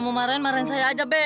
kamu marahin marahin saya aja be